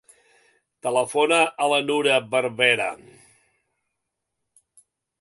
Telefona a la Nura Barbera.